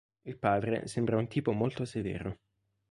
Il padre sembra un tipo molto severo.